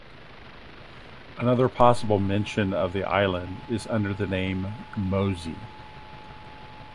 Another possible mention of the island is under the name "Mosey".